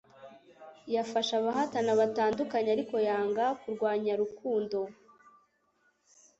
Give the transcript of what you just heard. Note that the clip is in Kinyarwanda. Yafashe abahatana batandukanye, ariko yanga kurwanya Rukundo